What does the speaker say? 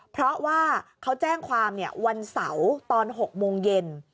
เพราะว่าเขาแจ้งความวันเสาร์ตอน๖โมงเย็น